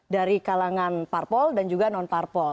dari kalangan parpol dan juga non parpol